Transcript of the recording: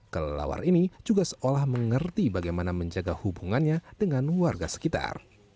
kelelawar ini juga seolah mengerti bagaimana menjaga hubungannya dengan warga sekitar